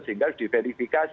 sehingga harus diverifikasi